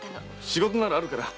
仕事ならあるから。